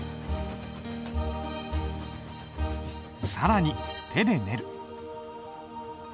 更に手で練る。